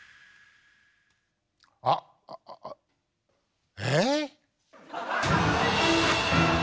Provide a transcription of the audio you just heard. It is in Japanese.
あっえぇっ⁉